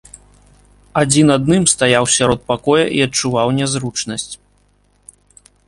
Адзін адным стаяў сярод пакоя і адчуваў нязручнасць.